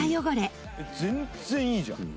二階堂：全然いいじゃん。